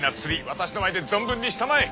私の前で存分にしたまえ。